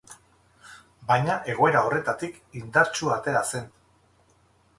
Baina egoera horretatik indartsu atera zen.